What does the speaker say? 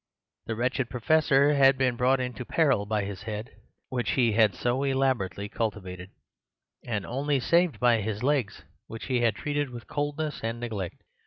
The wretched professor had been brought into peril by his head, which he had so elaborately cultivated, and only saved by his legs, which he had treated with coldness and neglect.